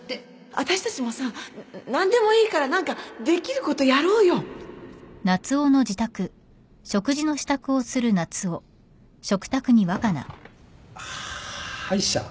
私たちもさ何でもいいから何かできることやろうよはっ歯医者？